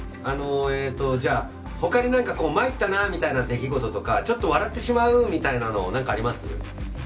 あのええとじゃあ他に何かこうまいったなみたいな出来事とかちょっと笑ってしまうみたいなの何かあります？